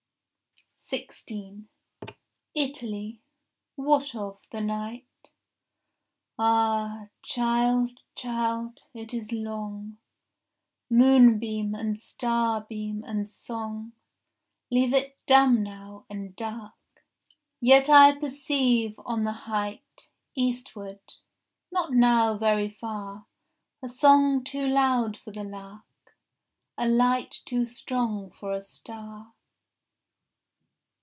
16 Italy, what of the night?— Ah, child, child, it is long! Moonbeam and starbeam and song Leave it dumb now and dark. Yet I perceive on the height Eastward, not now very far, A song too loud for the lark, A light too strong for a star.